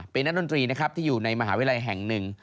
เป็นนักดนตรีนะครับที่อยู่ในมหาวิทยาลัยแห่งหนึ่ง